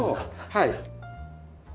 はい。